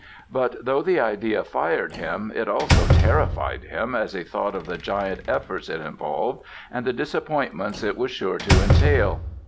But though the idea fired him it also terrified him as he thought of the giant efforts it involved and the disappointments it was sure to entail.